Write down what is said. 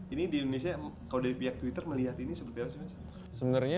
ini di indonesia kalau dari pihak twitter melihat ini seperti apa sih mas